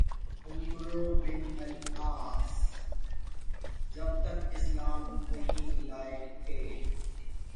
عمرو ibn al As جب تک اسلام نہیں لائے تھے